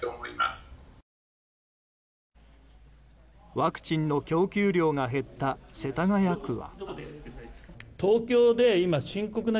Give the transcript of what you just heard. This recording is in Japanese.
ワクチンの供給量が減った世田谷区は。